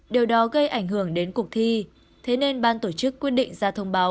điều đó gây ảnh hưởng đến cuộc thi thế nên ban tổ chức quyết định ra thông báo